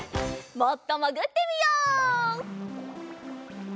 もっともぐってみよう。